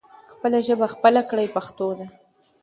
خپله ژبه خپله کړې پښتو ده.